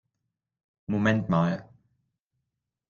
Moment mal!